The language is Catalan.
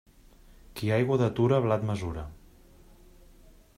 Qui aigua detura, blat mesura.